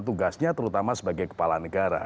tugasnya terutama sebagai kepala negara